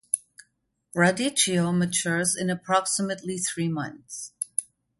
'Radicchio' matures in approximately three months.